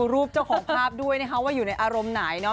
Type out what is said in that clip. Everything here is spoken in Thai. รูปเจ้าของภาพด้วยนะคะว่าอยู่ในอารมณ์ไหนเนาะ